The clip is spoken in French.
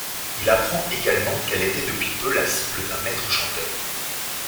Il apprend également qu'elle était depuis peu la cible d'un maître chanteur.